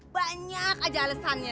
banyak aja alesannya